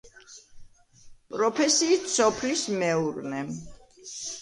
პროფესიით სოფლის მეურნე.